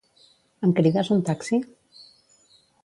Em crides un taxi?